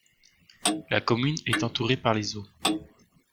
La commune est entourée par les eaux.